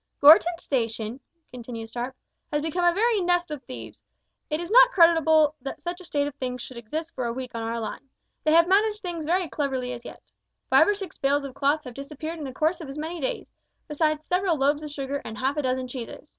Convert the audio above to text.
"Gorton station," continued Sharp, "has become a very nest of thieves. It is not creditable that such a state of things should exist for a week on our line. They have managed things very cleverly as yet. Five or six bales of cloth have disappeared in the course of as many days, besides several loaves of sugar and half a dozen cheeses.